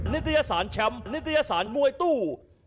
นิตยสารแชมป์นิตยสารมวยตู้